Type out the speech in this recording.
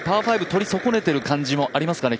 取り損ねている感じもありますかね？